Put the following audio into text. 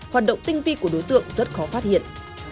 hoạt động tinh vi của đối tượng rất khó phát hiện